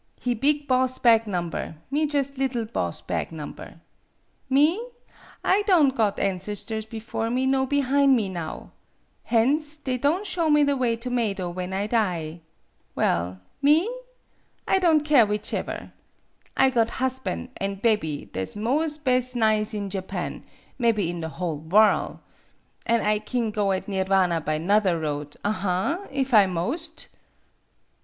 He big boss bag nom ber, me jus' liddle boss bag nomber. Me ? I don' got ancestors before me nor behine me now. Hence they don' show me the 54 MADAME BUTTERFLY way to Meido when I die. Well, me ? I don' keer whichever. I got hosban' an bebby tha' 's mos' bes' nize in Japan, mebby in the whole wotT. An' I kin go at Nirvana by 'nother road, aha! if I moast."